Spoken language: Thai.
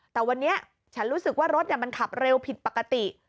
แต่วันนี้ฉันรู้สึกว่ารถมันขับเร็วผิดปกติ